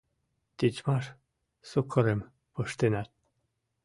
Тичмаш сукырым пыштенат.